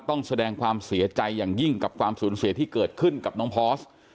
ต้องแสดงความเสียใจอย่างยิ่งกับความสูญเสียที่เกิดขึ้นกับน้องพอร์ส